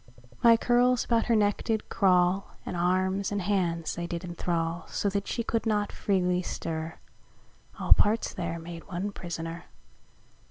My curles about her neck did craule, And armes and hands they did enthrall: So that she could not freely stir, (All parts there made one prisoner.)